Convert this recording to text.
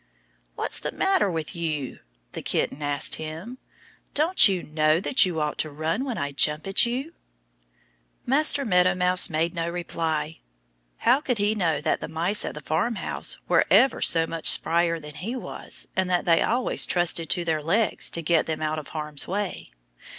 "What's the matter with you?" the kitten asked him. "Don't you know that you ought to run when I jump at you?" Master Meadow Mouse made no reply. How could he know that the mice at the farmhouse were ever so much sprier than he was and that they always trusted to their legs to get them out of harm's way?